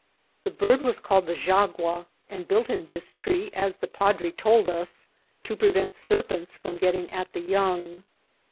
The bird was called the jagua, and built in this tree, as the padre told us, to prevent serpents from getting at the young.